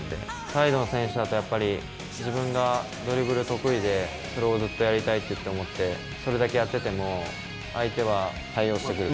サイドの選手だとやっぱり、自分がドリブル得意で、それをずっとやりたいって思って、それだけやってても、相手は対応してくる。